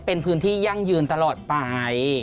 เป็นพื้นที่ยั่งยืนตลอดไป